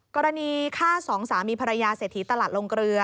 กรณีฆ่าสองสามีภรรยาเศรษฐีตลาดลงเกลือ